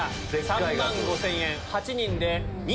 ３万５０００円。